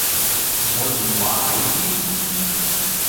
我電話喺邊？